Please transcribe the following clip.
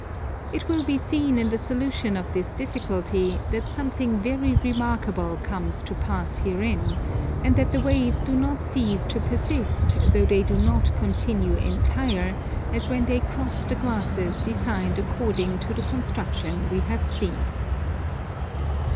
It will be seen in the solution of this difficulty that something very remarkable comes to pass herein, and that the waves do not cease to persist though they do not continue entire, as when they cross the glasses designed according to the construction we have seen.